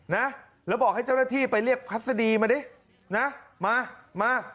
นะแล้วบอกให้เจ้าหน้าที่ไปเรียกพัศดีมาดินะมามา